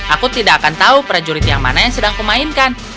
aku tidak akan tahu prajurit yang mana yang sedang kumainkan